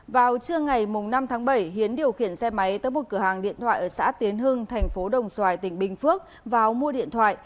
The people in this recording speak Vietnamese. vào trưa ngày năm tháng bảy hiến điều khiển xe máy tới một cửa hàng điện thoại ở xã tiến hưng thành phố đồng xoài tỉnh bình phước vào mua điện thoại